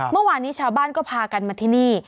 เมื่อวานนี้ชาวบ้านก็พากันมาที่นี่